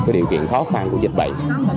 điều kiện khó khăn của dịch vậy